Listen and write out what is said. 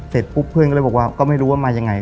เสร็จปุ๊บเพื่อนก็เลยบอกว่าก็ไม่รู้ว่ามายังไง